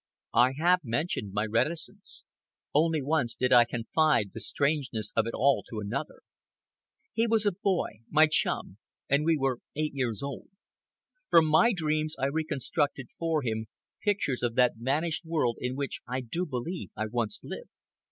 I have mentioned my reticence. Only once did I confide the strangeness of it all to another. He was a boy—my chum; and we were eight years old. From my dreams I reconstructed for him pictures of that vanished world in which I do believe I once lived.